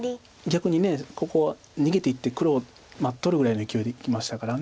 逆にここは逃げていって黒取るぐらいのいきおいでいきましたから。